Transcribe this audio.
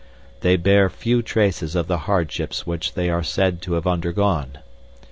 They bear few traces of the hardships which they are said to have undergone.